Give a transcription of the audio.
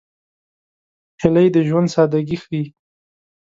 هیلۍ د ژوند سادګي ښيي